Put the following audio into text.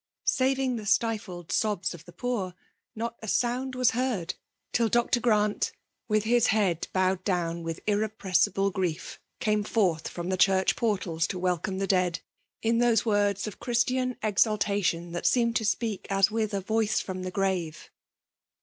Saving the stifled sobs of the poor, not a sound was heard> till Dr. Grant, with his head bowed down with irrepressible grief, came forth from the church portals to welcome the dead, in those words of Christian exultation that seem io speak as with a voice firom the grave.